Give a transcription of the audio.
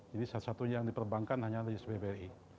jadi salah satunya yang diperbankan hanya lsp bri